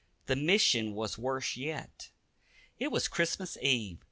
The mission was worse yet. It was Christmas Eve.